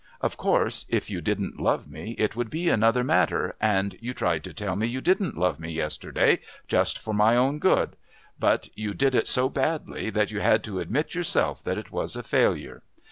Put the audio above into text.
Of course if you didn't love me it would be another matter, and you tried to tell me you didn't love me yesterday just for my good, but you did it so badly that you had to admit yourself that it was a failure.